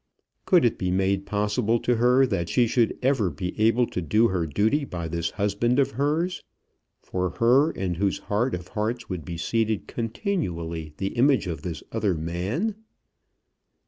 Could it be made possible to her that she should ever be able to do her duty by this husband of hers, for her, in whose heart of hearts would be seated continually the image of this other man?